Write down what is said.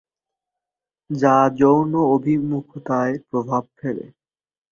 যা যৌন অভিমুখিতায় প্রভাব ফেলে।